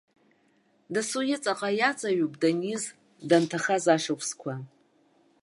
Дасу иҵаҟа иаҵаҩуп даниз, данҭахаз ашықәсқәа.